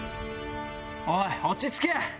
おい落ち着け！